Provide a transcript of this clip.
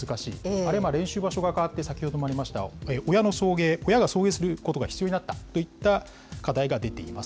あるいは練習場所が変わって、先ほどもありました親の送迎、親が送迎することが必要になったといった課題が出ています。